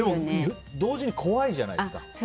同時に怖いじゃないですか。